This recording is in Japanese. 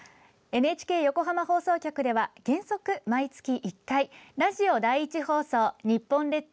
ＮＨＫ横浜放送局では原則、毎月１回ラジオ第１放送にっぽん列島